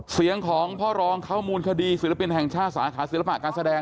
เสียงของพ่อรองเข้ามูลคดีศิลปินแห่งชาติสาขาศิลปะการแสดง